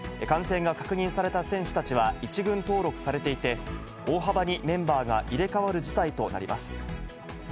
感染が確認された選手たちは、１軍登録されていて、大幅にメンバーが入れ替わる事態となります。